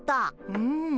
うん。